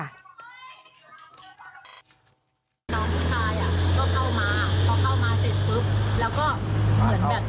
ผู้หญิงตรงนี้มีปืนหลบ